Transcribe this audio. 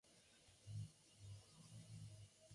Muchos embalses modernos son diseñados para usos múltiples.